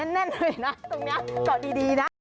เออกะแน่นเลยนะตรงนี้กะดีนะ